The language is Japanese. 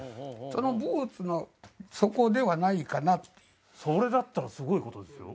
そのブーツの底ではないかなとそれだったらすごいことですよ